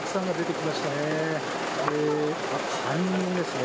いや、３人ですね。